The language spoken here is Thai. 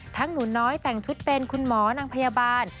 หนูน้อยแต่งชุดเป็นคุณหมอนางพยาบาล